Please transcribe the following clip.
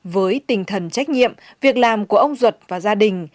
với tinh thần trách nhiệm việc làm của ông duật và gia đình